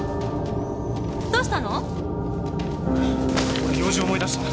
俺用事思い出した。